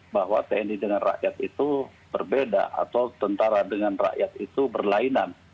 bahwa tni dengan rakyat itu berbeda atau tentara dengan rakyat itu berlainan